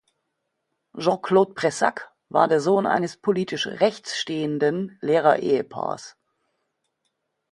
Jean-Claude Pressac war der Sohn eines politisch rechts stehenden Lehrerehepaars.